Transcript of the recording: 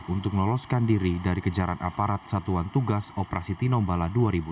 untuk meloloskan diri dari kejaran aparat satuan tugas operasi tinombala dua ribu enam belas